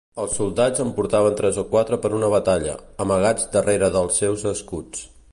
Els soldats en portaven tres o quatre per una batalla, amagats darrere dels seus escuts.